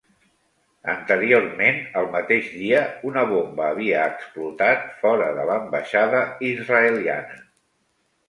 Anteriorment, el mateix dia, una bomba havia explotat fora de l'ambaixada israeliana.